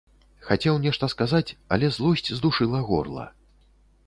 Хацеў нешта сказаць, але злосць здушыла горла.